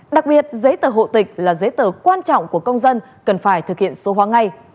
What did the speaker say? đặc biệt giấy tờ hộ tịch là giấy tờ quan trọng của công dân cần phải thực hiện số hóa ngay